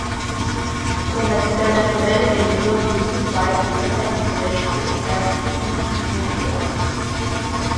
Son habitat naturel est les zones de broussailles des montagnes sèches tropicales ou subtropicales.